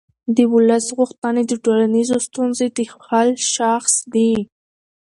د ولس غوښتنې د ټولنیزو ستونزو د حل شاخص دی